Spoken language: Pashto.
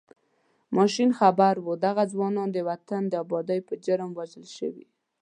ماشین خبر و دغه ځوانان د وطن د ابادۍ په جرم وژل شوي.